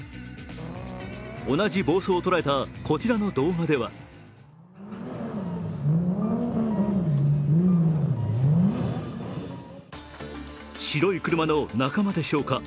同じ暴走を捉えたこちらの動画では白い車の仲間でしょうか。